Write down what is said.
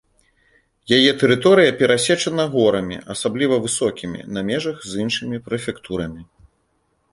Яе тэрыторыя перасечана горамі, асабліва высокімі на межах з іншымі прэфектурамі.